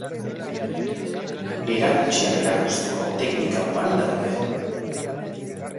Erakutsiak erakusteko teknika ugari daude.